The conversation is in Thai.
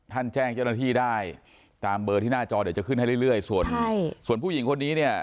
แจ้งเจ้าหน้าที่ได้ตามเบอร์ที่หน้าจอเดี๋ยวจะขึ้นให้เรื่อยส่วนใช่ส่วนผู้หญิงคนนี้เนี่ย